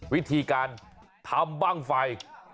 วิธีการทำบ้างไฟ